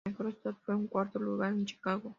Su mejor resultado fue un cuarto lugar en Chicago.